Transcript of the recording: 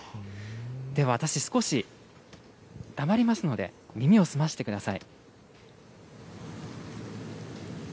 では、私少し黙りますので、耳を澄ましてください。